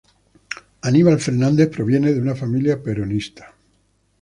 Aníbal Fernández proviene de una familia peronista.